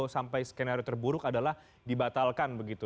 sampai skenario terburuk adalah dibatalkan begitu